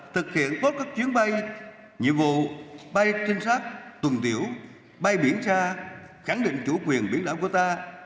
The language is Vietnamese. thực hiện tốt các chuyến bay nhiệm vụ bay trinh sát tuần tiểu bay biển xa khẳng định chủ quyền biển đảo của ta